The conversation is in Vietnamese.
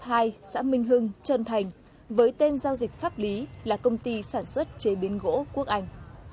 tại đây xã minh hưng trần thành với tên giao dịch pháp lý là công ty sản xuất chế biến gỗ quốc anh